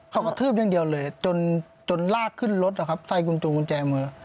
เขากระทืบอย่างเดียวเลยจนลากขึ้นรถนะครับใส่กุญแจมือ